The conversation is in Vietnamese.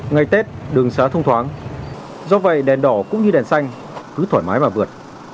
ngày tết đường xá thông thoáng do vậy đèn đỏ cũng như đèn xanh cứ thoải mái và vượt